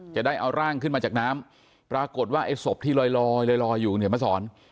จะได้เอาร่างขึ้นมาจากน้ำปรากฏว่าไอ้ศพที่ลอยลอยอยู่เนี่ยมาสอน